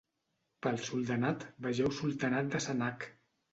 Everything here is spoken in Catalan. Pel soldanat, vegeu Sultanat de Sanaag.